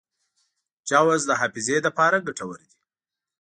جوز د حافظې لپاره ګټور دي.